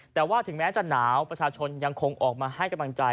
แต่ว่าถึงแม้จะหนาวประชาชนยังคงออกมาให้กำลังใจ